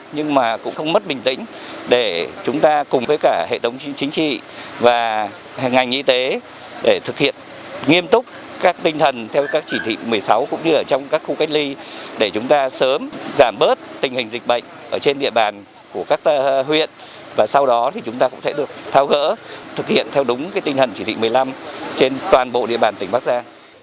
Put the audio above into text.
nhưng mà cũng không mất bình tĩnh để chúng ta cùng với cả hệ thống chính trị và ngành y tế để thực hiện nghiêm túc các tinh thần theo các chỉ thị một mươi sáu cũng như ở trong các khu cách ly để chúng ta sớm giảm bớt tình hình dịch bệnh trên địa bàn của các huyện và sau đó chúng ta cũng sẽ được thao gỡ thực hiện theo đúng tinh thần chỉ thị một mươi năm trên toàn bộ địa bàn tỉnh bắc giang